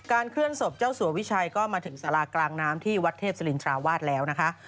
เคลื่อนศพเจ้าสัววิชัยก็มาถึงสารากลางน้ำที่วัดเทพศิรินทราวาสแล้วนะคะ